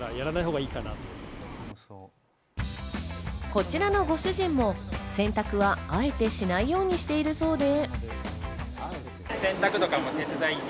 こちらのご主人も洗濯はあえてしないようにしているそうで。